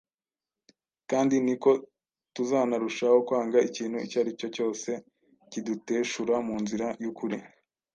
kandi ni ko tuzanarushaho kwanga ikintu icyo ari cyo cyose kiduteshura mu nzira y’ukuri